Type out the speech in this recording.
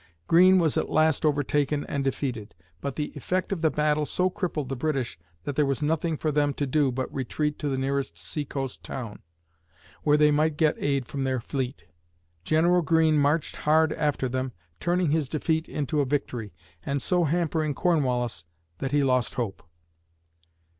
Greene was at last overtaken and defeated, but the effect of the battle so crippled the British that there was nothing for them to do but retreat to the nearest sea coast town, where they might get aid from their fleet. General Greene marched hard after them, turning his defeat into a victory, and so hampering Cornwallis that he lost hope.